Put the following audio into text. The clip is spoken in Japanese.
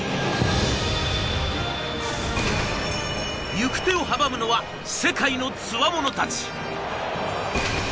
行く手を阻むのは世界のつわものたち。